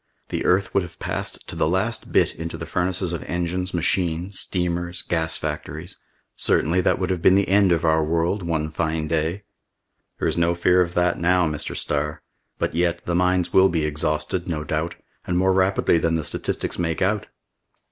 "The earth would have passed to the last bit into the furnaces of engines, machines, steamers, gas factories; certainly, that would have been the end of our world one fine day!" "There is no fear of that now, Mr. Starr. But yet, the mines will be exhausted, no doubt, and more rapidly than the statistics make out!"